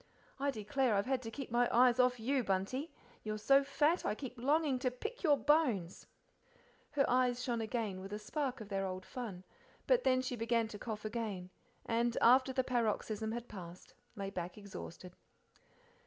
I declare I've had to keep my eyes off you, Bunty; you're so fat I keep longing to pick your bones." Her eyes shone with a spark of their old fun, but then she began to cough again, and, after the paroxysm had passed, lay back exhausted.